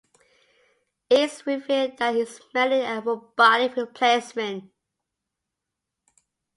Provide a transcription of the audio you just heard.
It is revealed that he is merely a robotic replacement.